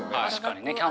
確かにね